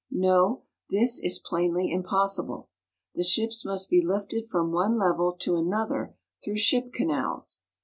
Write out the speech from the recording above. No ; this is plainly impossible. The ships must be lifted from one level to another through ship canals.